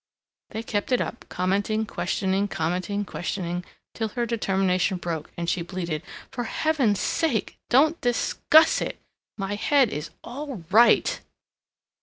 They kept it up, commenting, questioning, commenting, questioning, till her determination broke and she bleated, "For heaven's SAKE, don't dis CUSS it! My head 's all RIGHT!"